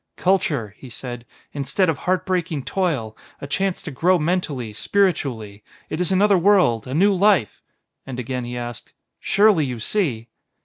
"Culture," he said, "instead of heart breaking toil, a chance to grow mentally, spiritually; it is another world, a new life " And again he asked: "Surely, you see?"